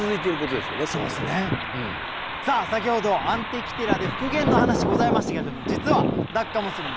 さあ先ほどアンティキティラで復元の話ございましたけれど実はダッカモスリン